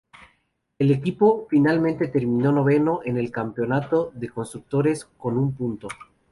El equipo finalmente terminó noveno en el Campeonato de constructores, con un punto.